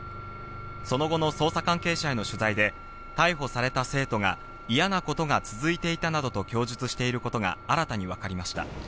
その後の捜査関係者への取材で、逮捕された生徒が嫌なことが続いていたなどと供述していることが新たに分かりました。